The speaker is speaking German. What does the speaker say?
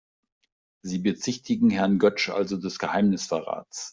Sie bezichtigen Herrn Götsch also des Geheimnisverrats?